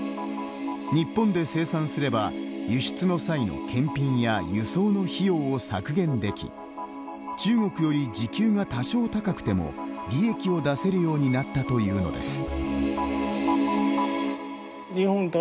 日本で生産すれば、輸出の際の検品や、輸送の費用を削減でき中国より時給が多少高くても利益を出せるようになったというのです。